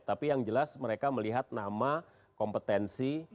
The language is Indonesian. tapi yang jelas mereka melihat nama kompetensi